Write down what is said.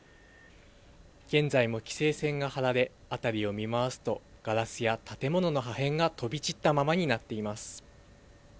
現在も規制線が張られ、辺りを見回すと、ガラスや建物の破片が飛び散ったままになっています。